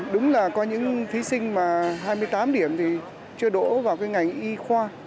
đúng là có những thí sinh mà hai mươi tám điểm thì chưa đỗ vào cái ngành y khoa